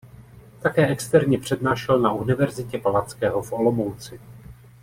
Také externě přednášel na Univerzitě Palackého v Olomouci.